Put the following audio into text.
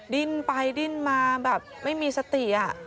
ดิ้นไปดิ้นมาแบบไม่มีสติ